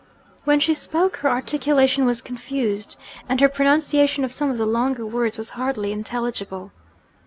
When she spoke, her articulation was confused, and her pronunciation of some of the longer words was hardly intelligible.